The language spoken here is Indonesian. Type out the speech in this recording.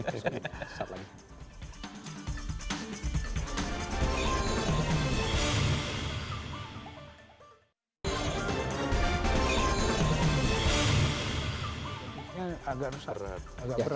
agak rusak agak berat